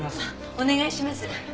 お願いします。